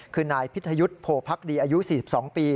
คือนายพิทยุทธ์โพพักดีอายุ๔๒ปี